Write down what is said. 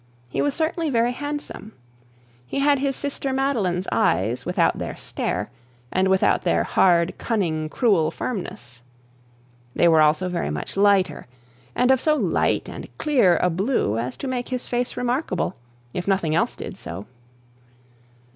He was certainly very handsome. He had his sister Madeline's eyes without their stare, and without their hard cunning cruel firmness. They were also very much lighter, and of so light and clear a blue as to make his face remarkable, if nothing else did so.